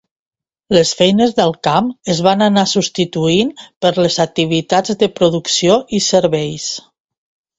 Les feines del camp es van anar substituint per les activitats de producció i serveis.